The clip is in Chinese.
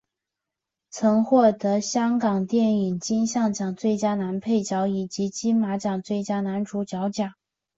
曾获得香港电影金像奖最佳男配角以及金马奖最佳男主角奖。